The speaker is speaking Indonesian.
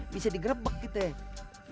bisa digrebek gitu ya